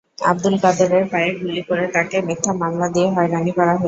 আবদুল কাদেরের পায়ে গুলি করে তাঁকে মিথ্যা মামলা দিয়ে হয়রানি করা হয়েছে।